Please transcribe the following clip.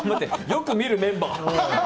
よく見るメンバー。